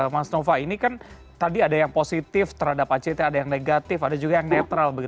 mas nova ini kan tadi ada yang positif terhadap act ada yang negatif ada juga yang netral